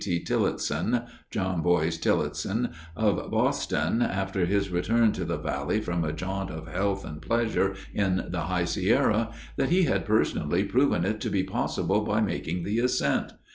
T. Tileston [John Boies Tileston] of Boston, after his return to the Valley from a jaunt of health and pleasure in the High Sierra, that he had personally proven it to be possible by making the ascent.